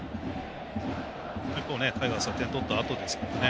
一方、タイガースは点を取ったあとですからね。